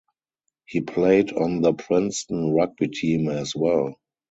He played on the Princeton rugby team as well.